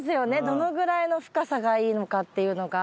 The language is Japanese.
どのぐらいの深さがいいのかっていうのが。